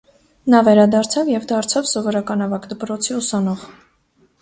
Նա վերադարձավ և դարձավ սովորական ավագ դպրոցի ուսանող։